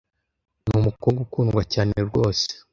Numukobwa ukundwa cyane rwose.